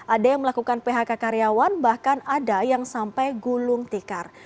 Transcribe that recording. ada yang melakukan phk karyawan bahkan ada yang sampai gulung tikar